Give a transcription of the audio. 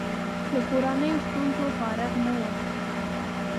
له کورنیو ستونزو فارغ نه وم.